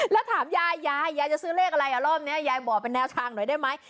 แล้วถามยายยายยายจะซื้อเลขอะไรอ่ะรอบนี้ยายบอกเป็นแนวทางหน่อยได้ไหม